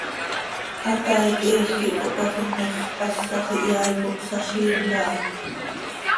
Hataai cheel quih cohpaafin ta x, hasaj ihyaai cop saziim aha.